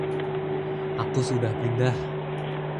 Aku sudah pindah.